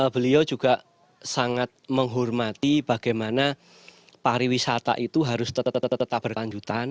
beliau juga sangat menghormati bagaimana pariwisata itu harus tetap berkelanjutan